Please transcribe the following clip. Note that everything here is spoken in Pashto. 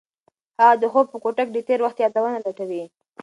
هغه د خوب په کوټه کې د تېر وخت یادونه لټوي.